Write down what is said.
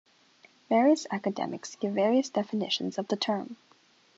Various academics give various definitions of the term.